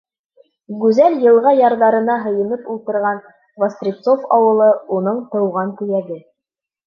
Гүзәл йылға ярҙарына һыйынып ултырған Вострецов ауылы — уның тыуған төйәге.